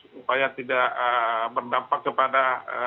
supaya tidak berdampak kepada